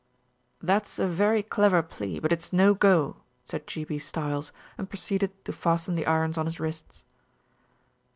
"That's a very clever plea, but it's no go," said G. B. Stiles, and proceeded to fasten the irons on his wrists.